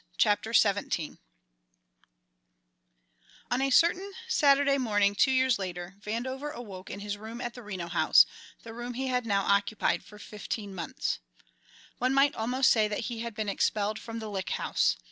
Chapter Seventeen On A certain Saturday morning two years later Vandover awoke in his room at the Reno House, the room he had now occupied for fifteen months. One might almost say that he had been expelled from the Lick House.